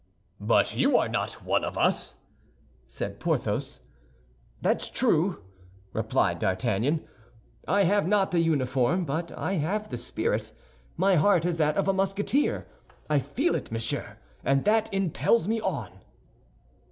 "But you are not one of us," said Porthos. "That's true," replied D'Artagnan; "I have not the uniform, but I have the spirit. My heart is that of a Musketeer; I feel it, monsieur, and that impels me on."